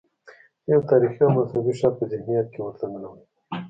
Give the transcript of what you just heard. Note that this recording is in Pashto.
د یو تاریخي او مذهبي ښار په ذهنیت کې ورته ننوتي.